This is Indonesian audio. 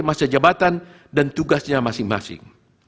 masa jabatan dan tugasnya masing masing